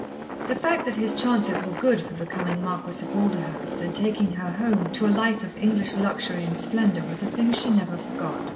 The fact that his chances were good for becoming Marquis of Walderhurst and taking her home to a life of English luxury and splendour was a thing she never forgot.